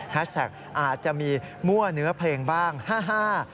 แท็กอาจจะมีมั่วเนื้อเพลงบ้างฮ่าฮ่า